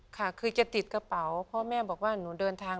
ค่ะคือจะติดกระเป๋าเพราะแม่บอกว่าหนูเดินทาง